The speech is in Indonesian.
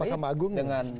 keputusan mahkamah agung